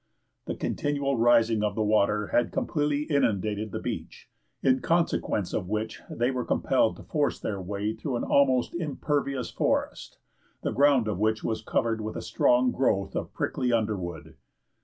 The continual rising of the water had completely inundated the beach, in consequence of which they were compelled to force their way through an almost impervious forest, the ground of which was covered with a strong growth of prickly underwood.